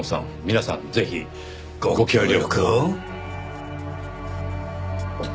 皆さんぜひ。ご協力を。